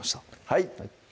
はい